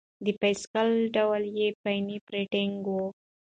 د بایسکل ډول یې پیني فارټېنګ و.